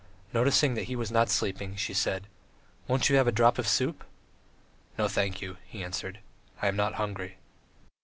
Noticing that he was not sleeping, she said: "Won't you have a drop of soup?" "No, thank you," he answered, "I am not hungry."